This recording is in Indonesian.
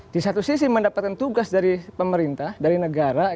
di satu sisi mendapatkan tugas dari pemerintah dari negara